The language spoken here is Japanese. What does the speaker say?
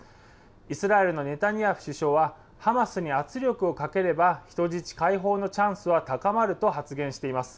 イスラエルのネタニヤフ首相は、ハマスに圧力をかければ、人質解放のチャンスは高まると発言しています。